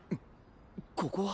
ここは？